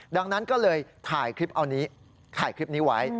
ดังนั้นก็เลยถ่ายคลิปเอานี้ถ่ายคลิปนี้ไว้